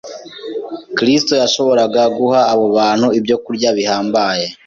Kristo yashoboraga guha abo bantu ibyokurya bihambaye